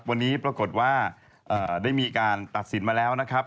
วันนี้ปรากฏว่าได้มีการตัดสินมาแล้วนะครับ